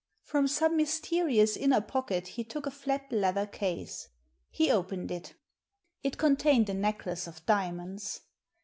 From some mysterious inner pocket he took a flat leather case. He opened it It contained a necklace of diamonds.